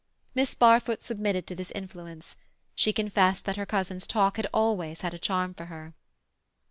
Miss Barfoot submitted to this influence; she confessed that her cousin's talk had always had a charm for her.